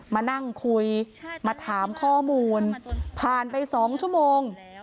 มานั่งคุยมาถามข้อมูลผ่านไป๒ชั่วโมง